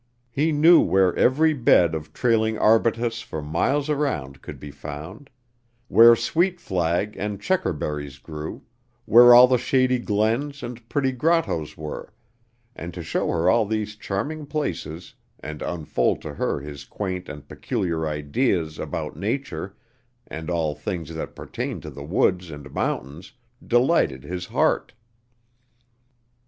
He knew where every bed of trailing arbutus for miles around could be found; where sweet flag and checkerberries grew; where all the shady glens and pretty grottoes were, and to show her all these charming places and unfold to her his quaint and peculiar ideas about nature and all things that pertain to the woods and mountains delighted his heart.